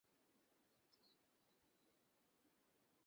তারপর ধীরেসুস্থে বল-কী হয়েছে নীলুর?